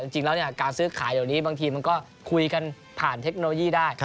จริงแล้วการซื้อขายเดี๋ยวนี้บางทีมันก็คุยกันผ่านเทคโนโลยีได้